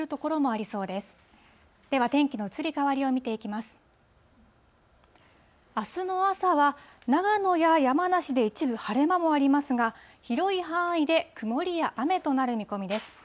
あすの朝は、長野や山梨で一部晴れ間もありますが、広い範囲で曇りや雨となる見込みです。